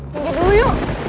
minggir dulu yuk